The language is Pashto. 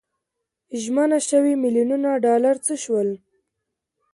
ژمنه شوي میلیونونه ډالر څه شول.